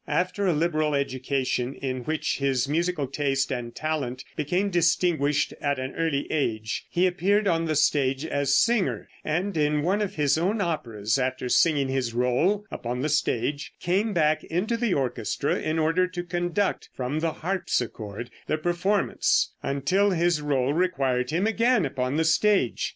After a liberal education, in which his musical taste and talent became distinguished at an early age, he appeared on the stage as singer, and in one of his own operas, after singing his rôle upon the stage, came back into the orchestra in order to conduct from the harpsichord the performance, until his rôle required him again upon the stage.